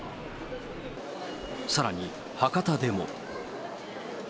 さらに、博多でも。